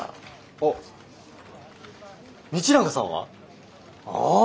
あ道永さんは？ああ。